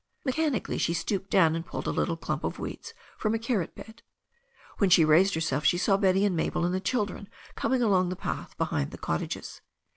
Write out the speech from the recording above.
Mechanically she stooped down and pulled a little clump of weeds from a carrot bed. When she raised herself she saw Betty and Mabel and the children coming along the path behind the cottages.